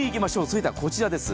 続いてはこちらです。